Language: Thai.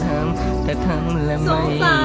แต่ตีตายจะออก